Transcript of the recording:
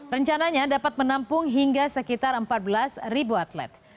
rencananya dapat menampung hingga sekitar empat belas ribu atlet